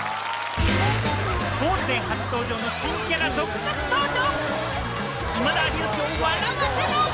ゴールデン初登場の新キャラ続々登場。